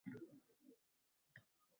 Bo‘yningga arqon solib oladi.